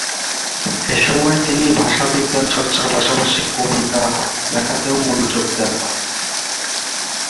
এ সময় তিনি ভাষাবিজ্ঞানচর্চার পাশাপাশি কবিতা লেখাতেও মনোযোগ দেন।